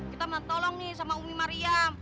kita minta tolong nih sama umi mariam